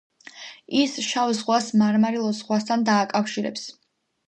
ის შავ ზღვას მარმარილოს ზღვასთან დააკავშირებს.